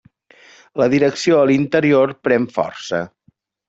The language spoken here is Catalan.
La direcció a l'interior pren força.